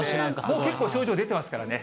もう結構症状出てますからね。